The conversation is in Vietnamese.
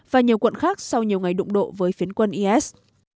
và nhiều quận khác sau nhiều ngày đụng độ với phiến quân is